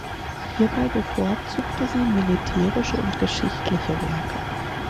Hierbei bevorzugte sie militärische und geschichtliche Werke.